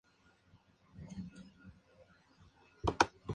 Maggie le cuenta su historia a Hal.